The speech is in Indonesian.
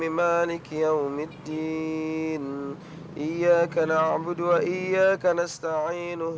imanik yawmiddin iyaka na'budu iyaka nasta'inu